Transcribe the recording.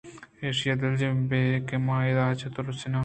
ایشیءَ دلجم بہ بئےکہ من اچ تو نہ تُرساں